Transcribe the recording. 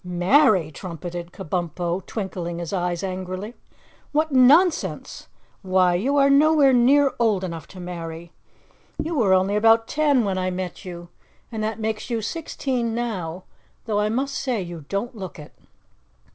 "Marry!" trumpeted Kabumpo, twinkling his eyes angrily. "What nonsense! Why, you are nowhere near old enough to marry. You were only about ten when I met you and that makes you sixteen now, though I must say you don't look it!"